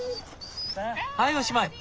はいおしまい。